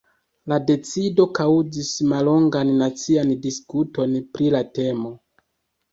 La decido kaŭzis mallongan nacian diskuton pri la temo.